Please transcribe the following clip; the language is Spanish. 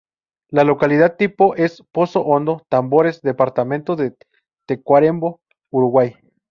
La localidad tipo es: Pozo Hondo, Tambores, Departamento de Tacuarembó, Uruguay.